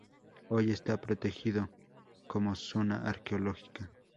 Hoy está protegido como zona arqueológica.